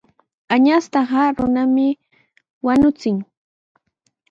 Añastaqa runami wañuchin.